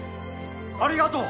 ありがとう！